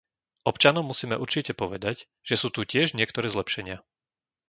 Občanom musíme určite povedať, že sú tu tiež niektoré zlepšenia.